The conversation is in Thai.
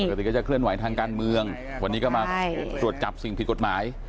ติก็จะเคลื่อนไหวทางการเมืองวันนี้ก็มาตรวจจับสิ่งผิดกฎหมาย